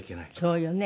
そうよね。